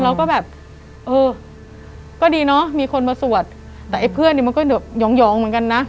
เราก็แบบเออก็ดีเนอะมีคนมาสวดแต่ไอ้เพื่อนเนี่ยมันก็หยองเหมือนกันนะ